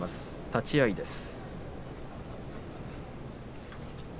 立ち合いです。